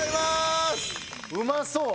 うまそう！